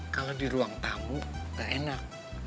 kalau di ruang tamu nggak enak